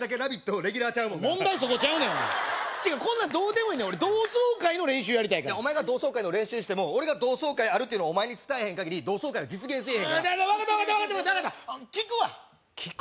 レギュラーちゃうもんな問題そこちゃうのやわこんなんどうでもいいのよ俺同窓会の練習やりたいからお前が同窓会の練習しても俺が同窓会あるっていうのをお前に伝えへんかぎり同窓会は実現せえへんから分かった分かった分かった聞くわ聞く？